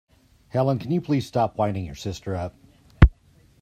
Helen, can you please stop winding your sister up?